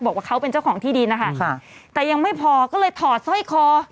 บอกว่าเขาเป็นเจ้าของที่ดินนะคะแต่ยังไม่พอก็เลยถอดสร้อยคอ